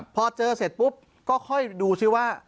พอเจอเสร็จปุ๊บก็ค่อยดูซิว่า